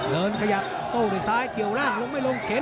เริ่มขยับโต้ในซ้ายเกี่ยวล่างลงไม่ลงเข็น